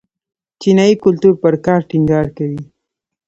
چینايي کلتور پر کار ټینګار کوي.